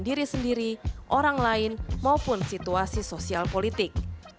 diri sendiri orang lain maupun situasi sosial politik